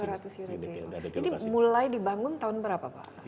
ini mulai dibangun tahun berapa pak